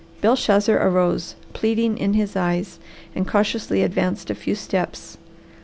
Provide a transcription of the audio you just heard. Belshazzar arose, pleading in his eyes, and cautiously advanced a few steps.